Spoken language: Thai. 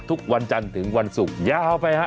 ทุกวันจันทร์ถึงวันศุกร์ยาวไปฮะ